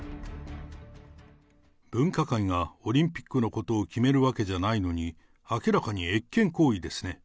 分科会がオリンピックのことを決めるわけじゃないのに、明らかに越権行為ですね。